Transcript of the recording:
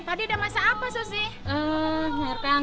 lalu seviilya metsubahintang